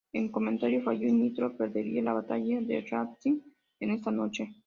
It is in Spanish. El comentario falló y Nitro perdería la batalla de ratings en esa noche.